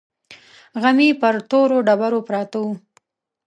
غمي پر تورو ډبرو پراته وو.